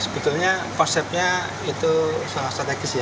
sebetulnya konsepnya itu sangat strategis ya